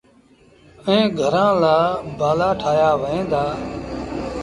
ائيٚݩ گھرآݩ لآ بآلآ ٺآهيآ وهيݩ دآ۔